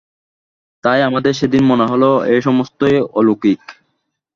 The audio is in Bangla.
তাই আমাদের সেদিন মনে হল, এ সমস্তই অলৌকিক।